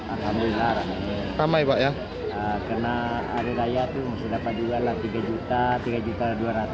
alhamdulillah karena hari raya itu masih dapat juga tiga juta tiga juta dua ratus